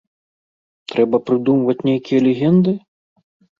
Трэба прыдумваць нейкія легенды?